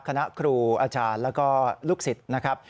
คณะครูอาจารย์แล้วก็ลูกศิษย์นะครับ